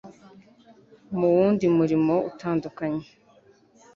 mu wundi murimo utandukanye